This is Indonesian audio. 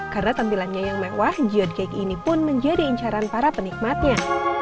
karena tampilannya yang mewah geode cake ini pun menjadi incaran para penikmatnya